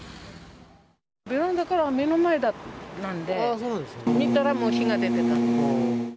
ベランダから目の前なんで、見たらもう火が出てた。